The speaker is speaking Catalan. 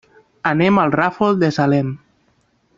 Anem al Ràfol de Salem.